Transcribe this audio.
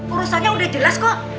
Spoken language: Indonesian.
urusannya udah jelas kok